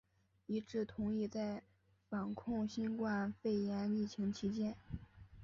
一致同意在防控新冠肺炎疫情期间